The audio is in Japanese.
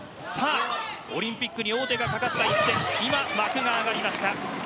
オリンピックに大手がかかった一戦今、幕が上がりました。